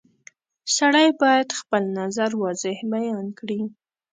• سړی باید خپل نظر واضح بیان کړي.